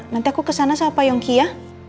nanti aku kesana sama payongki ya